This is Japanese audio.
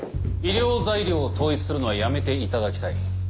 医療材料を統一するのはやめていただきたい。